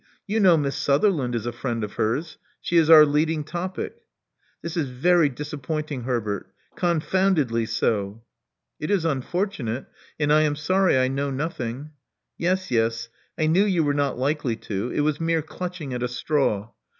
You know Miss Sutherland is a friend of hers. She is our lead ing topic." This is very disappointing, Herbert Confoundedly so." It is unfortunate ; and I am sorry I know nothing. " Yes, yes: I knew you were not likely to: it was mere clutching at a straw.